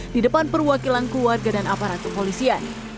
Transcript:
di depan perwakilan keluarga dan aparatu polisian